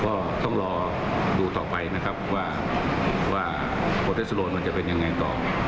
ก็ต้องรอดูต่อไปนะครับว่าโปรเตสโลนมันจะเป็นยังไงต่อ